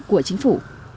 của chính phủ